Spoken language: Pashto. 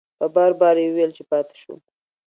په بار بار یې وویل چې پاتې شو.